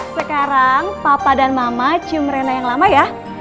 sekarang papa dan mama cium rena yang lama ya